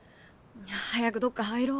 早くどっか入ろう。